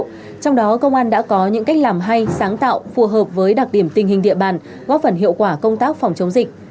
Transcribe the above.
trong đó công an đã có những cách làm hay sáng tạo phù hợp với đặc điểm tình hình địa bàn góp phần hiệu quả công tác phòng chống dịch